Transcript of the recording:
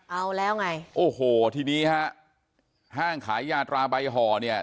เอาแล้วไงโอ้โหทีนี้ฮะห้างขายยาตราใบห่อเนี่ย